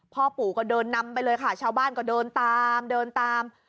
พ่อปู่ก็เดินนำไปเลยค่ะชาวบ้านก็เดินตามเดินตาม